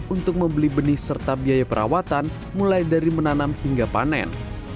untuk membeli benih serta biaya perawatan mulai dari menanam hingga panen